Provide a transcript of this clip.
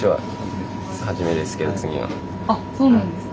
あっそうなんですか？